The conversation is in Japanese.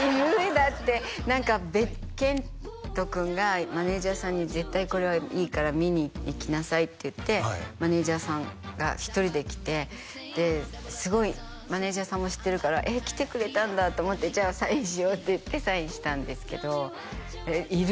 だって何か遣都君がマネージャーさんに絶対これはいいから見に行きなさいって言ってマネージャーさんが１人で来てですごいマネージャーさんも知ってるから「えっ来てくれたんだ」と思ってじゃあサインしようって言ってサインしたんですけどいる？